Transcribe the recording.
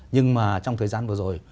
nhưng mà trong thời gian vừa rồi